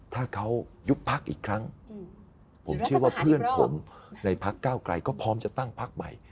ถ้าเขายุบพักอีกครั้งผมเชื่อว่าเพื่อนผมในพักเก้าไกลก็พร้อมจะตั้งพักใหม่